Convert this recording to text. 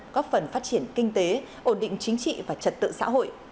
góp phần phát triển kinh tế ổn định chính trị và trật tự xã hội